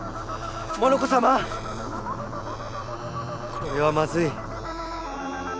これはまずい！